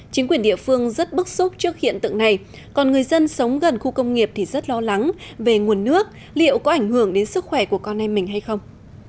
chính quyền địa phương rất bức xúc trước hiện tượng này còn người dân sống gần khu công nghiệp thì rất lo lắng về nguồn nước liệu có ảnh hưởng đến sức khỏe của con em mình hay không